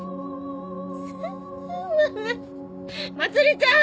まつりちゃん！？